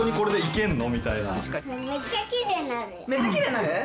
めっちゃきれいになる？